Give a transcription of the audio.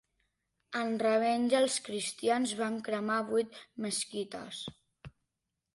En revenja els cristians van cremar vuit mesquites.